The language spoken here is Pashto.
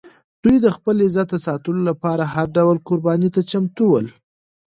دوی د خپل عزت د ساتلو لپاره هر ډول قربانۍ ته چمتو ول.